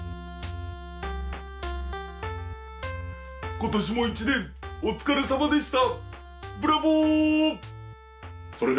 今年も１年お疲れさまでした！